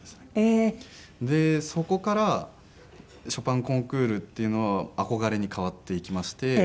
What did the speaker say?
でそこからショパンコンクールっていうのは憧れに変わっていきまして。